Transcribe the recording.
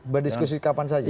berdiskusi kapan saja